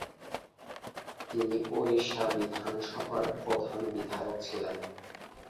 তিনি ওড়িশা বিধানসভার একজন বিধায়ক ছিলেন।